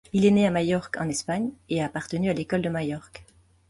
Il est né à Majorque, en Espagne, et a appartenu à l'école de Majorque.